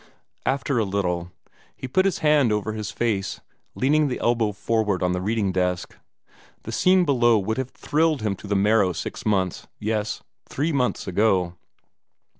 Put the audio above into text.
After a little, he put his hand over his face, leaning the elbow forward on the reading desk. The scene below would have thrilled him to the marrow six months yes, three months ago.